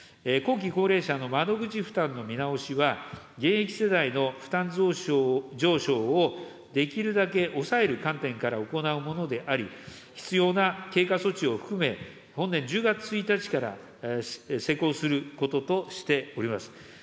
後期高齢者の窓口負担の見直しは、現役世代の負担上昇をできるだけ抑える観点から行うものであり、必要な経過措置を含め、本年１０月１日から施行することとしております。